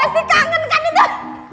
pasti kangen kan itu